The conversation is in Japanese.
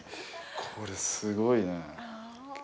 これ、すごいね。